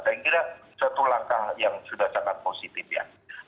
saya kira satu langkah yang sudah sangat positif ya